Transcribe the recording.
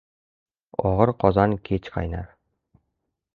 • Og‘ir qozon kech qaynar.